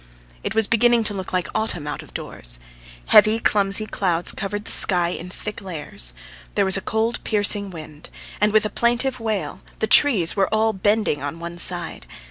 It was beginning to look like autumn out of doors. Heavy, clumsy clouds covered the sky in thick layers; there was a cold, piercing wind, and with a plaintive wail the trees were all bending on one side.